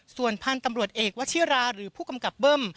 ส่วนพันธุ์ตำรวจเอกวชิราหรือผู้กำกับเบิ้ม